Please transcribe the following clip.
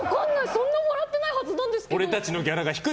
そんなもらってないはずなんだけど。